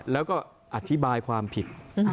แล้วก็อธิบายความผิด